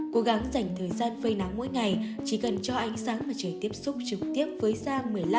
cố gắng dành thời gian phơi nắng mỗi ngày chỉ cần cho ánh sáng và trời tiếp xúc trực tiếp với sáng